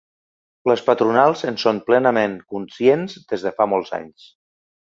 Les patronals en són plenament conscients des de fa molts anys.